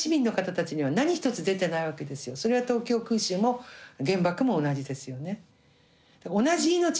それは東京空襲も原爆も同じですよね。